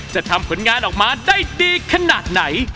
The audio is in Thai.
จะทำผลงานออกมาได้ดีขนาดไหน